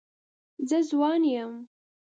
زه ځوان یم.